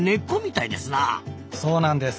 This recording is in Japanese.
そうなんです。